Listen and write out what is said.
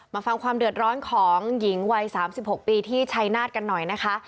มาฟังความเดือดร้อนของหญิงวัย๓๖ปีที่ชัยนาธกันหน่อยนะคะ